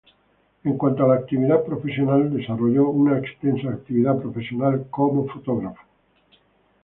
En cuanto a la actividad profesional desarrolló una extensa actividad profesional como fotógrafo.